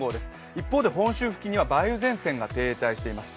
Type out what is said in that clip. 一方で本州付近には梅雨前線が停滞しています。